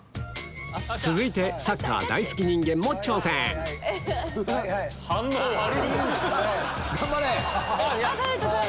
続いてサッカー大好き人間も挑戦反応悪っ！